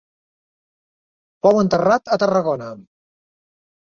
Fou enterrat a Tarragona.